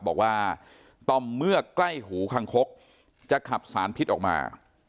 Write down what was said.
บอกว่าต่อเมื่อใกล้หูคังคกจะขับสารพิษออกมา